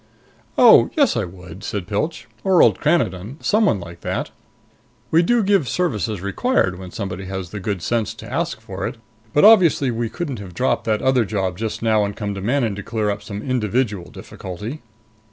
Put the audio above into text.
"Oh, yes, I would," said Pilch. "Or old Cranadon. Someone like that. We do give service as required when somebody has the good sense to ask for it. But obviously, we couldn't have dropped that other job just now and come to Manon to clear up some individual difficulty."